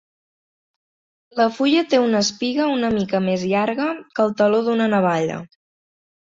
La fulla té una espiga una mica més llarga que el taló d'una navalla.